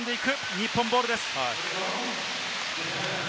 日本ボールです。